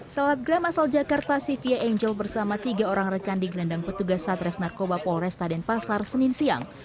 salabgram asal jakarta sivya angel bersama tiga orang rekan di gendang petugas satres narkoba polresta dan pasar senin siang